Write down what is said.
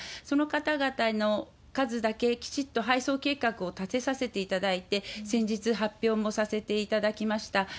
その方々の数だけ、きちっと配送計画を立てさせていただいて、先日、発表もさせていただきました。